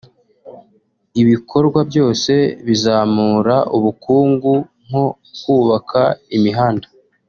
Ibikorwa byose bizamura ubukungu nko kubaka imihanda